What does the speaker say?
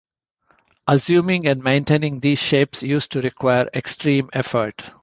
Assuming and maintaining these shapes used to require extreme effort.